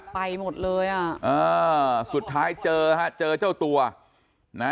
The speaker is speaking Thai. ไปหมดเลยอ่ะอ่าสุดท้ายเจอฮะเจอเจ้าตัวนะ